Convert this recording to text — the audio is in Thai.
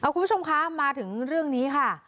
คุณผู้ชมคะมาถึงเรื่องนี้ค่ะ